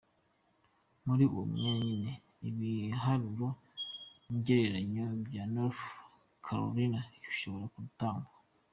Muri uwo mwanya nyene, ibiharuro ngereranyo vya North Carolina bishobora gutangwa.